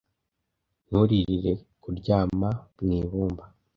nturirire kuryama mu ibumba